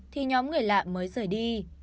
thì nhóm người lạ mới rời đi